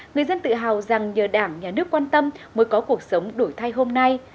người dân tự hào rằng nhờ đảng nhà nước quan tâm mới có cuộc sống đổi thay hôm nay